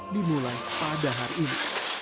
dimulai pada hari ini